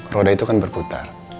roda itu kan berputar